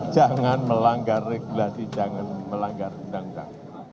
jangan melanggar regulasi jangan melanggar undang undang